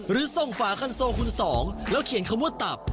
หรือส่งฝาคันโซคุณสองแล้วเขียนคำว่าตับ